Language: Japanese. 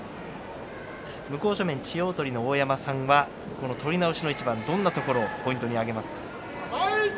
向正面の千代鳳の大山さんは、この取り直しの一番どんなところをポイントに挙げますか？